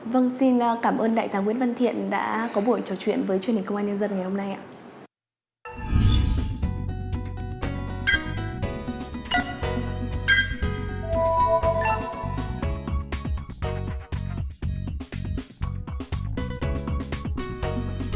vâng xin cảm ơn đại tá nguyễn văn thiện đã có buổi trò chuyện với truyền hình công an nhân dân ngày hôm nay ạ